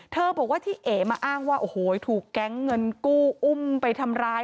บอกว่าที่เอ๋มาอ้างว่าโอ้โหถูกแก๊งเงินกู้อุ้มไปทำร้าย